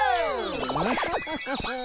ムフフフフ。